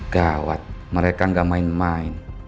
gawat mereka nggak main main